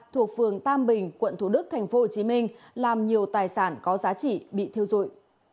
thuộc phường tam bình quận thủ đức tp hcm làm nhiều tài sản có giá trị bị thiêu dụi